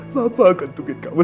papa akan tunggu kamu